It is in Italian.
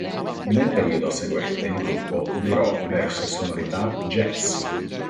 Nel periodo seguente il gruppo virò verso sonorità jazz.